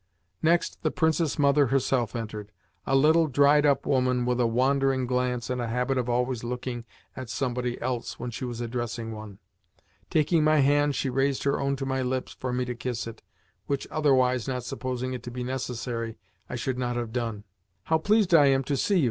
Next, the Princess Mother herself entered a little dried up woman, with a wandering glance and a habit of always looking at somebody else when she was addressing one. Taking my hand, she raised her own to my lips for me to kiss it which otherwise, not supposing it to be necessary, I should not have done. "How pleased I am to see you!"